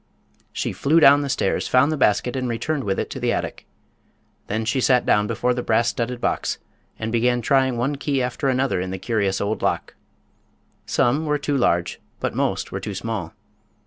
She flew down the stairs, found the basket and returned with it to the attic. Then she sat down before the brass studded box and began trying one key after another in the curious old lock. Some were too large, but most were too small.